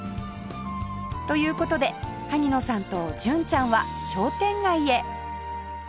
という事で萩野さんと純ちゃんは商店街へ